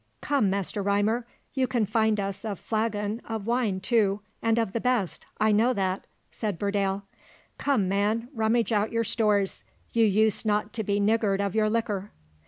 "Come, Master Rymer, you can find us a flagon of wine, too, and of the best, I know that," said Burdale. "Come, man, rummage out your stores, you used not to be niggard of your liquor."